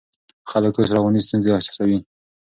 خلک اوس رواني ستونزې احساسوي.